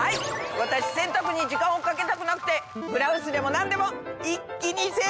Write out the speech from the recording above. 私洗濯に時間をかけたくなくてブラウスでもなんでも一気に洗濯しちゃうんです！